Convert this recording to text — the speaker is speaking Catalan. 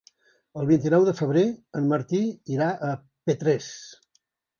El vint-i-nou de febrer en Martí irà a Petrés.